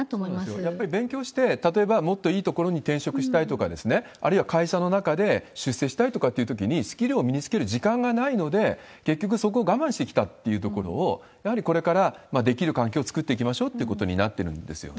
やっぱり勉強して、もっといい所に転職したいとか、あるいは会社の中で出世したいとかいうときに、スキルを身につける時間がないので、結局そこを我慢してきたということを、やはりこれからできる環境を作っていきましょうということになっているんですよね。